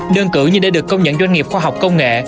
đơn cử như để được công nhận doanh nghiệp khoa học công nghệ